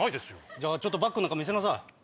じゃあバッグの中見せなさい。